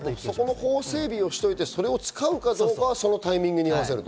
法整備をしておいて使うかどうかはタイミングに合わせると。